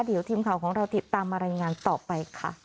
เดี๋ยวทีมข่าวของเราติดตามมารายงานต่อไปค่ะ